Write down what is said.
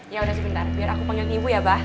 ya udah sebentar biar aku panggil ibu ya mbak